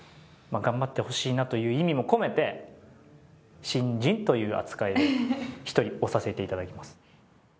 頑張ってほしいなという意味も込めて新人という扱いで一人推させて頂きます。